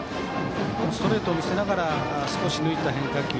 ストレートを見せながら少し抜いた変化球。